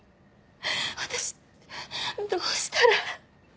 私どうしたら。